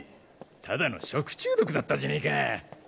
ただの食中毒だったじゃねか。